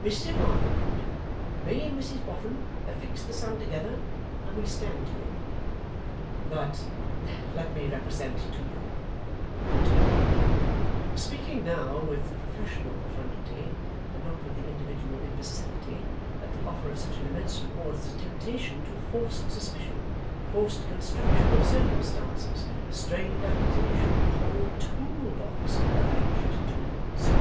'Mr Lightwood, me and Mrs Boffin have fixed the sum together, and we stand to it.' 'But let me represent to you,' returned Lightwood, 'speaking now with professional profundity, and not with individual imbecility, that the offer of such an immense reward is a temptation to forced suspicion, forced construction of circumstances, strained accusation, a whole tool box of edged tools.